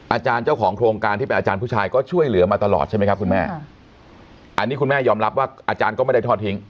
อาจารย์เจ้าของโครงการที่เป็นอาจารย์ผู้ชายก็ช่วยเหลือมาตลอดใช่ไหมครับคุณแม่อันนี้คุณแม่ยอมรับว่าอาจารย์ก็ไม่ได้ทอดทิ้ง